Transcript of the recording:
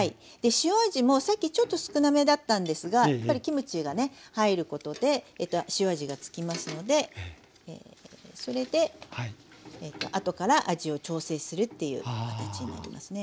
塩味もさっきちょっと少なめだったんですがやっぱりキムチがね入ることで塩味が付きますのでそれで後から味を調整するっていう形になりますね。